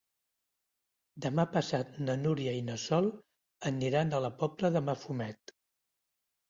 Demà passat na Núria i na Sol aniran a la Pobla de Mafumet.